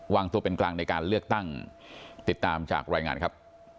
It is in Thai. วางตัวเป็นกลางในการเลือกตั้งติดตามจากรายงานครับ